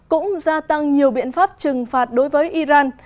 cũng gia tăng nhiều biện pháp trừng phạt đối với iran